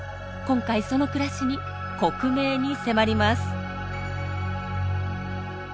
今回その暮らしに克明に迫ります。